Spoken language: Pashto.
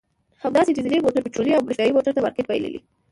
همداسې ډیزلي موټر پټرولي او برېښنایي موټر ته مارکېټ بایللی.